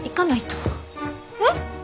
えっ？